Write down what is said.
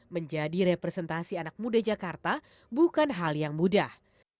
menjadi representasi anak muda jakarta bukan hal yang mudah